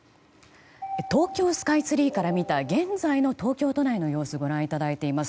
東京スカイツリーから見た現在の東京都内の様子をご覧いただいています。